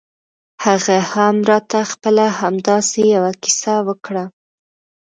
هغه هم راته خپله همداسې يوه کيسه وکړه.